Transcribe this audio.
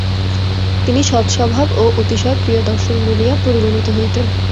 তিনি সৎস্বভাব ও অতিশয় প্রিয়দর্শন বলিয়া পরিগণিত হইতেন।